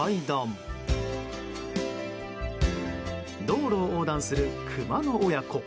道路を横断するクマの親子。